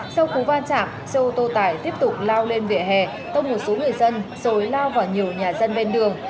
sau khu va chạm xe ô tô tải tiếp tục lao lên vệ hẻ tốc một số người dân rồi lao vào nhiều nhà dân bên đường